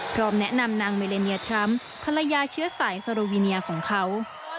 แนะนำนางเมเลเนียทรัมป์ภรรยาเชื้อสายสโรวิเนียของเขา